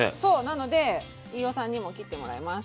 なので飯尾さんにも切ってもらいます。